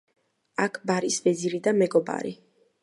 აქბარის ვეზირი და მეგობარი.